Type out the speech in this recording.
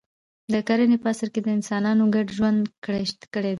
د کرنې په عصر کې انسانانو ګډ ژوند کړی دی.